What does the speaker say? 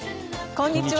こんにちは。